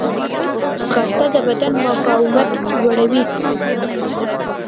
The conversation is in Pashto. ځغاسته د بدن مقاومت لوړوي